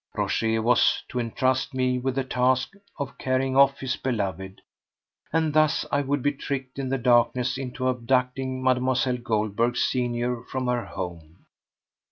Rochez was to entrust me with the task of carrying off his beloved, and thus I would be tricked in the darkness into abducting Mlle. Goldberg senior from her home.